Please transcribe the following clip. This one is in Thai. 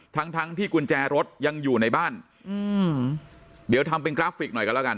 ทั้งทั้งที่กุญแจรถยังอยู่ในบ้านอืมเดี๋ยวทำเป็นกราฟิกหน่อยกันแล้วกัน